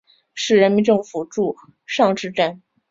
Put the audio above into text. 市人民政府驻尚志镇。